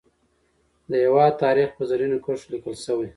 د هیواد تاریخ په زرینو کرښو لیکل شوی.